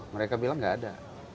mereka bilang gak ada